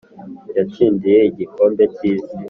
Yatsindiye igikombe cy’isi